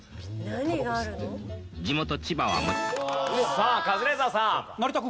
さあカズレーザーさん。